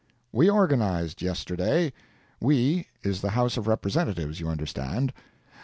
We organized yesterday. "We" is the House of Representatives, you understand.